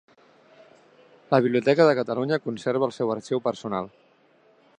La Biblioteca de Catalunya conserva el seu arxiu personal.